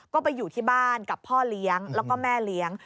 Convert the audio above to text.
ก็ไปอยู่ที่บ้านกับพ่อเลี้ยงแล้วก็แม่เลี้ยง